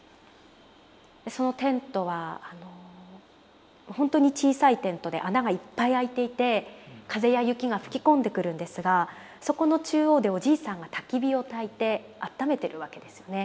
そのテントは本当に小さいテントで穴がいっぱい開いていて風や雪が吹き込んでくるんですがそこの中央でおじいさんがたき火をたいて暖めてるわけですよね。